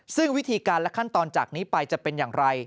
ซึ่งวิธีการและขั้นตอนจากนี้ไปจะเป็นอย่างไร